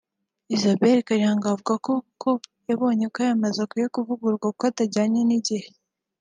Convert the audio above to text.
Isabelle Karihangabo avuga ko koko yabonye aya mazu akwiye kuvugururwa kuko atajyanye n’igihe